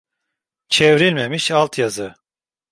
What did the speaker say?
Çevrilmemiş altyazı